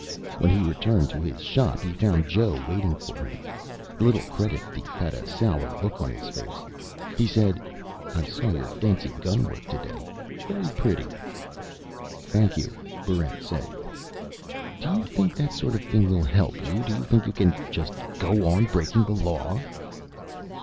When he returned to his shop, he found Joe waiting for him. The little credit thief had a sour look on his face. He said, "I saw your fancy gun work today. Very pretty." "Thank you," Barrent said. "Do you think that sort of thing will help you? Do you think you can just go on breaking the law?"